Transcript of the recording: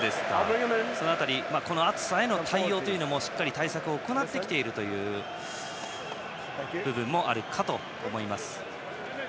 その辺りこの暑さへの対応もしっかり対策を行ってきているという部分もあるかと思います。